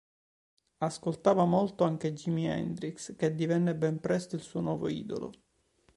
Ascoltava molto anche Jimi Hendrix, che divenne ben presto il suo nuovo idolo.